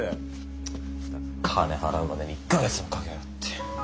金払うまでに１か月もかけやがって。